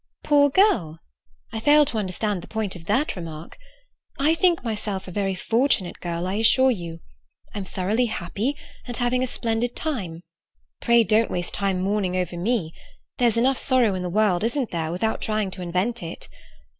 "Poor girl? I fail to understand the point of that remark. I think myself a very fortunate girl, I assure you. I'm thoroughly happy, and having a splendid time. Pray don't waste time mourning over me. There's enough sorrow in the world, isn't there, without trying to invent it.